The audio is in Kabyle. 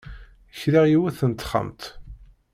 Kriɣ yiwet n texxamt.